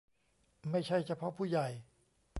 ไม่ใช่เฉพาะผู้ใหญ่